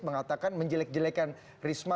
mengatakan menjelek jelekan risma